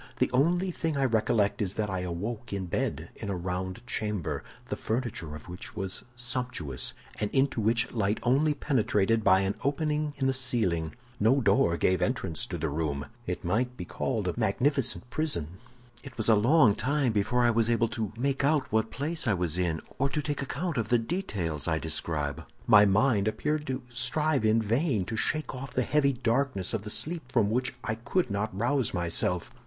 The only thing I recollect is that I awoke in bed in a round chamber, the furniture of which was sumptuous, and into which light only penetrated by an opening in the ceiling. No door gave entrance to the room. It might be called a magnificent prison. "It was a long time before I was able to make out what place I was in, or to take account of the details I describe. My mind appeared to strive in vain to shake off the heavy darkness of the sleep from which I could not rouse myself.